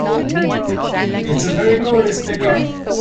He is a very good speaker.